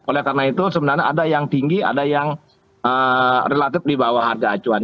oleh karena itu sebenarnya ada yang tinggi ada yang relatif di bawah harga acuan